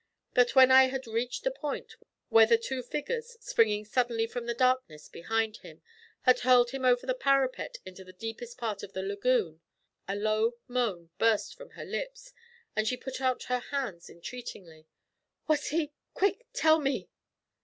But when I had reached the point where the two figures, springing suddenly from the darkness behind him, had hurled him over the parapet into the deepest part of the lagoon, a low moan burst from her lips, and she put out her hands entreatingly. 'Was he Quick! tell me!'